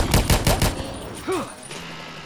Ок лий!